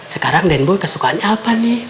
sekarang den boy kesukaannya apa nih